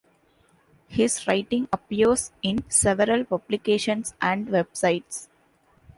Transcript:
His writing appears in several publications and websites.